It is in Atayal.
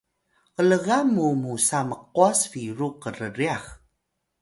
glgan mu musa mqwas biru krryax